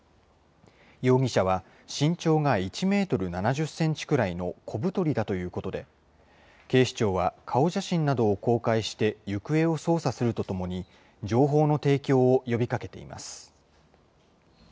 容疑者は、身長が１メートル７０センチくらいの小太りだということで、警視庁は、顔写真などを公開して、行方を捜査するとともに、情報の提供を呼びかけています。